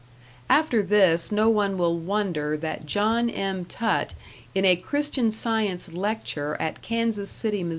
After this no one will wonder that John M. Tutt, in a Christian Science lecture at Kansas City, Mo.